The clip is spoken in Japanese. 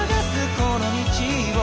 この道を」